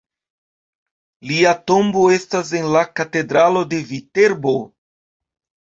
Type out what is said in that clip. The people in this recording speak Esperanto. Lia tombo estas en la katedralo de Viterbo.